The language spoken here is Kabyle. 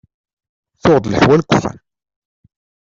Tuɣ-d leḥwal n wexxam.